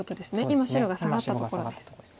今白がサガったところです。